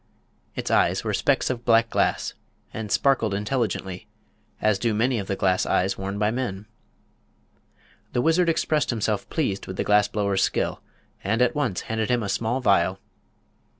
Its eyes were specks of black glass and sparkled intelligently, as do many of the glass eyes worn by men. The wizard expressed himself pleased with the glass blower's skill and at once handed him a small vial.